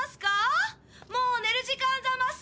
もう寝る時間ざますよ！